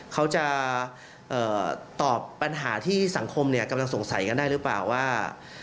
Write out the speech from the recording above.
เขาจะตอบปัญหาที่สังคมกำลังสงสัยกันได้หรือเปล่าว่า